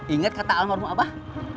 ingat kata almarhum abah